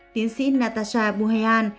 tiến sĩ natasha buhel